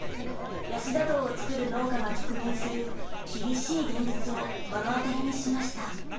ヤシ砂糖をつくる農家が直面する厳しい現実を目の当たりにしました。